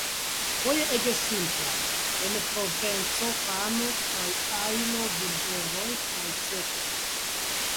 Foje ege simplaj: en Provenco pano kaj ajlo-bulberoj kaj cepoj.